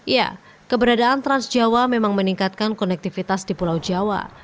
ya keberadaan transjawa memang meningkatkan konektivitas di pulau jawa